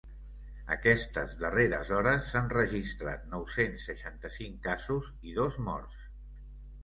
Aquestes darreres hores s’han registrat nou-cents seixanta-cinc casos i dos morts.